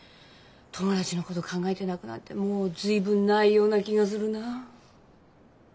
友達のこと考えて泣くなんてもう随分ないような気がするなあ。